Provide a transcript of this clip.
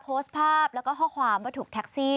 โพสต์ภาพแล้วก็ข้อความว่าถูกแท็กซี่